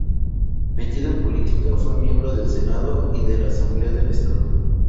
Metido en política, fue miembro del Senado y de la Asamblea del estado.